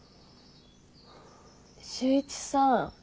修一さん。